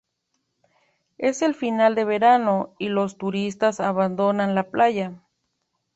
Es el final de verano y los turistas abandonan la playa.